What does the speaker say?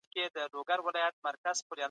موږ به ژر سوله ټینګه کړو.